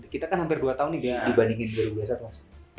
kita kan hampir dua tahun dibandingkan dua ribu dua puluh satu